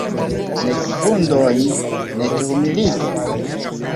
Nek vundojn, nek humiligon.